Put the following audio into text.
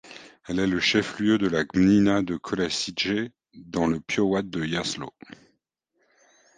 Elle est le chef-lieu de la gmina de Kołaczyce, dans le powiat de Jasło.